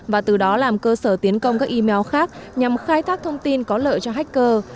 và từ đó làm cơ sở tiến công các email khác nhằm khai thác thông tin có lợi cho hacker